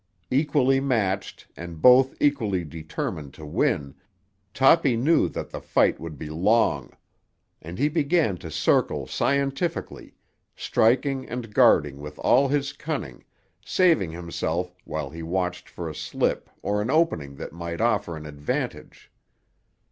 Equally matched, and both equally determined to win, Toppy knew that the fight would be long; and he began to circle scientifically, striking and guarding with all his cunning, saving himself while he watched for a slip or an opening that might offer an advantage.